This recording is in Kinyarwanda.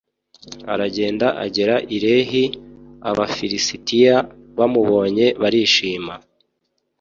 aragenda agera i lehi abafilisitiya bamubonye barishima